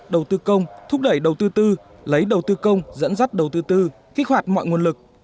đầu tư công thúc đẩy đầu tư tư lấy đầu tư công dẫn dắt đầu tư tư kích hoạt mọi nguồn lực